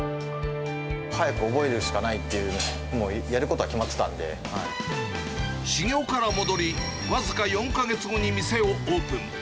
早く覚えるしかないっていう、修業から戻り、僅か４か月後に店をオープン。